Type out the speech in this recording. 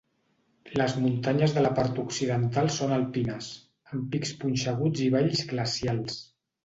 Les muntanyes de la part occidental són alpines, amb pics punxeguts i valls glacials.